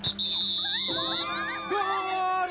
ゴール！